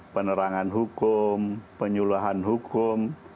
penerangan hukum penyuluhan hukum